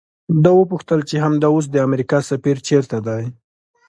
ده وپوښتل چې همدا اوس د امریکا سفیر چیرته دی؟